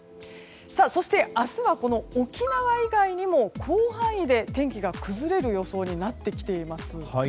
そして、明日は沖縄以外にも広範囲で天気が崩れる予想になってきています。